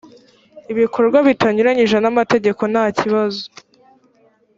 ibikorwa bitanyuranije n ‘amategeko ntakibazo.